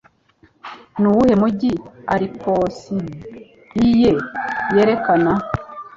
Nuwuhe Mujyi Ari Cosby Yerekana